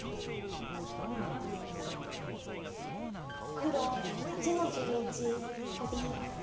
黒８の十一トビ。